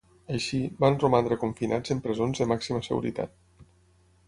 Així, van romandre confinats en presons de màxima seguretat.